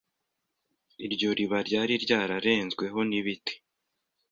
Iryo riba ryari ryara renzweho n' ibiti